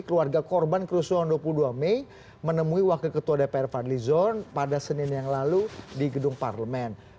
keluarga korban kerusuhan dua puluh dua mei menemui wakil ketua dpr fadli zon pada senin yang lalu di gedung parlemen